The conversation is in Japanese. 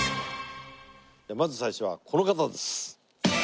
まず最初はこの方です。